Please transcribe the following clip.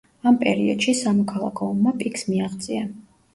ამ პერიოდში სამოქალაქო ომმა პიკს მიაღწია.